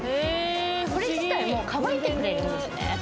これ自体もう乾いてくれるんですね